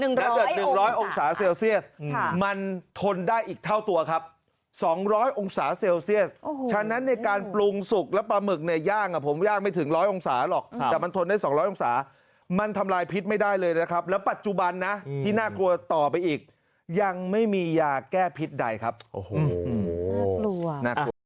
แล้วเดือด๑๐๐องศาเซลเซียสมันทนได้อีกเท่าตัวครับ๒๐๐องศาเซลเซียสฉะนั้นในการปรุงสุกแล้วปลาหมึกเนี่ยย่างผมย่างไม่ถึงร้อยองศาหรอกแต่มันทนได้๒๐๐องศามันทำลายพิษไม่ได้เลยนะครับแล้วปัจจุบันนะที่น่ากลัวต่อไปอีกยังไม่มียาแก้พิษใดครับโอ้โหกลัวน่ากลัว